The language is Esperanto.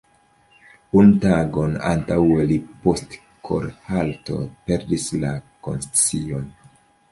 Unu tagon antaŭe li post kor-halto perdis la konscion.